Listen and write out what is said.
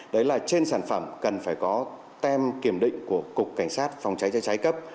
đấy là trên sản phẩm cần phải có tem kiểm định của cục cảnh sát phòng cháy chữa cháy cấp